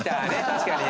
確かに。